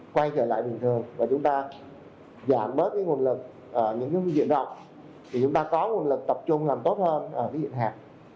quay trở lại bình thường và chúng ta giảm bớt những nguồn lực những diện rộng thì chúng ta có nguồn lực tập trung làm tốt hơn với diện hạt